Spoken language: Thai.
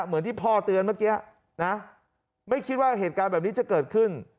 เหมือนที่พ่อเตือนเมื่อกี้นะไม่คิดว่าเหตุการณ์แบบนี้จะเกิดขึ้น